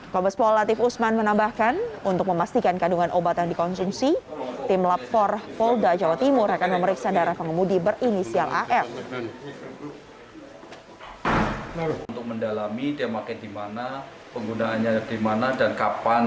pembespol latif usman menambahkan untuk memastikan kandungan obat yang dikonsumsi tim lap empat polda jawa timur akan memeriksa daerah pengemudi berinisial af